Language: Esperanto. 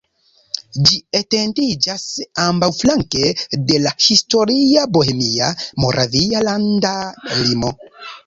Ĝi etendiĝas ambaŭflanke de la historia bohemia-moravia landa limo.